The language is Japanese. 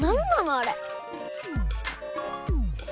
あれ。